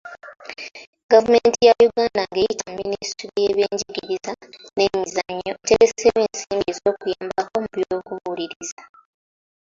Gavumenti ya Uganda ng'eyita mu Minisitule y'ebyenjigiriza n'emizannyo etereseewo ensimbi oz'okuyambako mu by'okubuuliriza.